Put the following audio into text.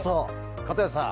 片寄さん